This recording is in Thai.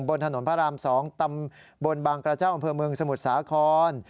บนถนนพระราม๒ตำบลบางกระเจ้าอำเภอเมืองสมุทรสาคร